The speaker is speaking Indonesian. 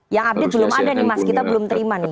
yang update belum ada nih mas kita belum terima nih